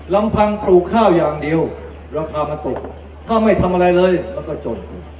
ลำพังปลูกข้าวอย่างเดียวราคามันตกถ้าไม่ทำอะไรเลยมันก็จน